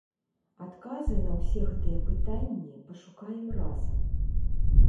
Адказы на ўсе гэтыя пытанні пашукаем разам.